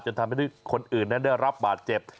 ทำให้คนอื่นนั้นได้รับบาดเจ็บ